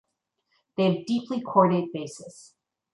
They have deeply cordate bases.